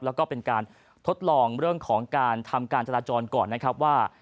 แล้วก็เป็นการทดลองเรื่องของการทำการจราจรก่อนนะครับว่า